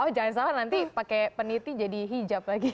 oh jangan salah nanti pakai peniti jadi hijab lagi